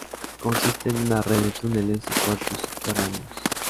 Consiste en una red de túneles y cuartos subterráneos.